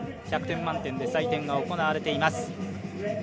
１００点満点で採点が行われています